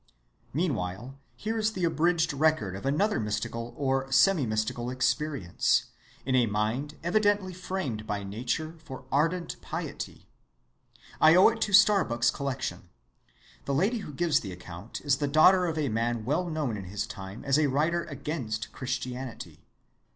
Meanwhile here is the abridged record of another mystical or semi‐mystical experience, in a mind evidently framed by nature for ardent piety. I owe it to Starbuck's collection. The lady who gives the account is the daughter of a man well known in his time as a writer against Christianity.